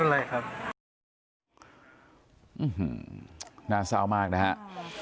หื้อหืมน่าเศร้ามากนะครับ